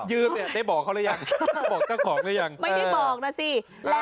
ยืมเนี่ยได้บอกเขาหรือยัง